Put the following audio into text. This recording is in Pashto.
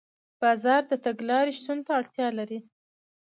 بازار د تګلارې شتون ته اړتیا لري.